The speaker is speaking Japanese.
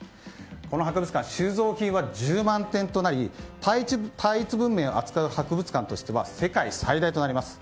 この博物館収蔵品は１０万点となり単一文明を扱う博物館としては世界最大となります。